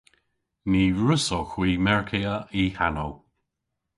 Ny wrussowgh hwi merkya y hanow.